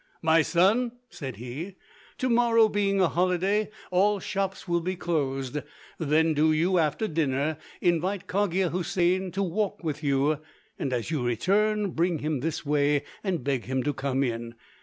"My son," said he, "to morrow being a holiday, all shops will be closed; then do you after dinner invite Cogia Houssain to walk with you; and as you return bring him this way and beg him to come in.